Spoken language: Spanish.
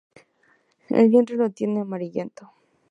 El vientre lo tiene amarillento.